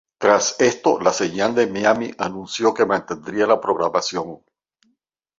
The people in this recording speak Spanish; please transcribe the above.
Tras esto, la señal de Miami anunció que mantendría la programación.